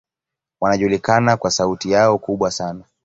Wanajulikana kwa sauti yao kubwa sana.